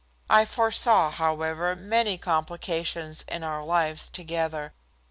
I foresaw, however, many complications in our lives together.